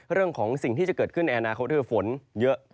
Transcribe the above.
เรื่องของสิ่งที่จะเกิดขึ้นในอนาคตคือฝนเยอะ